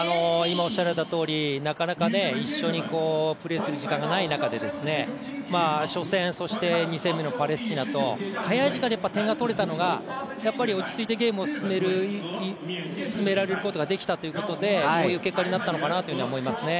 なかなか一緒にプレーする時間がない中で初戦、そして２戦目のパレスチナと早い時間に点が取れたのが落ち着いてゲームを進められることができたということでこういう結果になったのかなと思いますね。